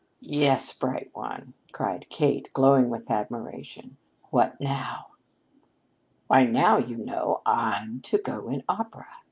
"Yes, bright one!" cried Kate, glowing with admiration. "What now?" "Why, now, you know, I'm to go in opera.